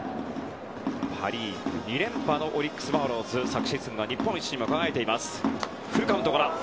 パ・リーグ２連覇のオリックス・バファローズ。昨シーズンは日本一に輝いています。